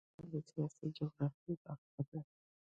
ژمی د افغانستان د سیاسي جغرافیه برخه ده.